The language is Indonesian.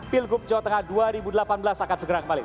pilgub jawa tengah dua ribu delapan belas akan segera kembali